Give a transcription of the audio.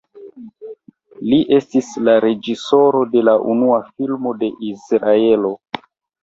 Li estis la reĝisoro de la unua filmo de Izraelo.